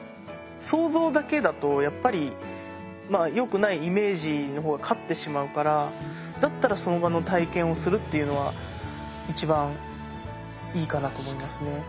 想像だけだとやっぱりよくないイメージの方が勝ってしまうからだったらその場の体験をするっていうのは一番いいかなと思いますね。